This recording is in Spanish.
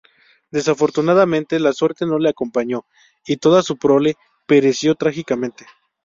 Desafortunadamente la suerte no le acompañó, y toda su prole pereció trágicamente.